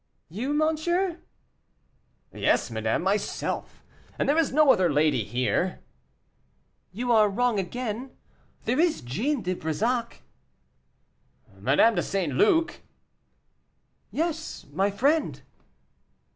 "You, monsieur?" "Yes, madame, myself. And there is no other lady here." "You are wrong again; there is Jeanne de Brissac." "Madame de St. Luc?" "Yes, my friend."